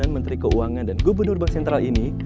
menteri keuangan dan gubernur bank sentral ini